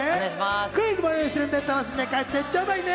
クイズも用意してるんで、楽しんで帰ってちょうだいね。